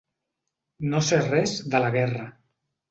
No sé res de la guerra.